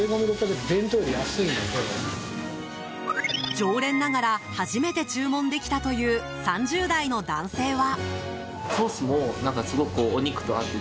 常連ながら初めて注文できたという３０代の男性は。